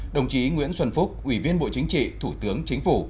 đồng chí nguyễn xuân phúc ủy viên bộ chính trị thủ tướng chính phủ